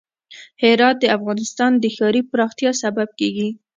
هرات د افغانستان د ښاري پراختیا سبب کېږي.